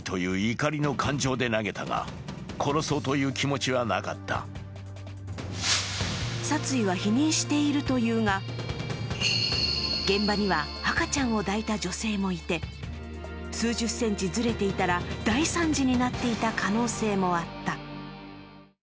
取り調べに対し殺意は否認しているというが、現場には赤ちゃんを抱いた女性もいて数十センチずれていたら大惨事になっていた可能性もあった。